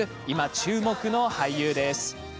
今、注目の俳優です。